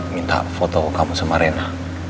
minta foto kamu sama rena